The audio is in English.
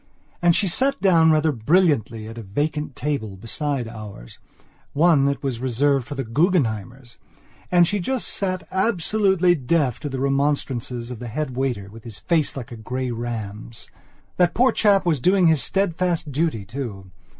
And she sat down rather brilliantly at a vacant table, beside oursone that was reserved for the Guggenheimers. And she just sat absolutely deaf to the remonstrances of the head waiter with his face like a grey ram's. That poor chap was doing his steadfast duty too.